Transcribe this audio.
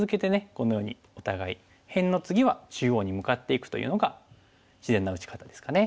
このようにお互い辺の次は中央に向かっていくというのが自然な打ち方ですかね。